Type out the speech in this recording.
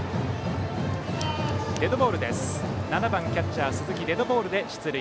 ７番キャッチャー、鈴木デッドボールで出塁。